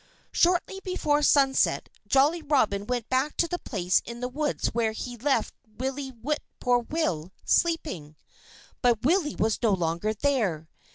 Shortly before sunset Jolly Robin went back to the place in the woods where he had left Willie Whip poor will sleeping. But Willie was no longer there.